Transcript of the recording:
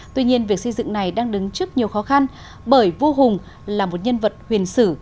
tuy nhiên việc xây dựng này đang đứng trước nhiều khó khăn bởi vua hùng là một nhân vật huyền sử